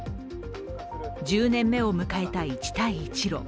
１０年目を迎えた一帯一路。